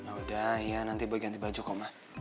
nah udah iya nanti boy ganti baju kok ma